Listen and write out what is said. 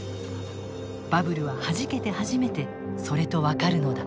バブルははじけて初めてそれと分かるのだ。